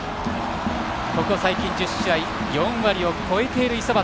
ここ最近１０試合４割を超えている五十幡。